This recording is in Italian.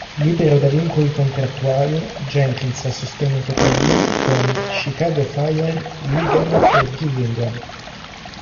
Libero da vincoli contrattuali, Jenkins ha sostenuto provini con Chicago Fire, Wigan e Gillingham.